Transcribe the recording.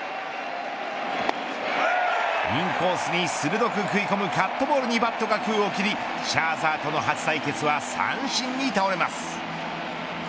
インコースに鋭く食い込むカットボールにバットが空を切りシャーザーとの初対決は三振に倒れます。